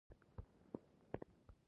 د انس رضی الله عنه نه روايت دی: